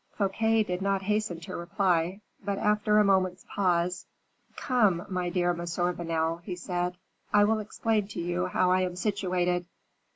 Fouquet did not hasten to reply; but after a moment's pause, "Come, my dear Monsieur Vanel," he said, "I will explain to you how I am situated."